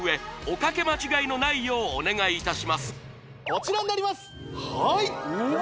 こちらになりますはい！